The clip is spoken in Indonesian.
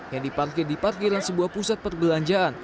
yang diparkir diparkiran sebuah pusat perbelanjaan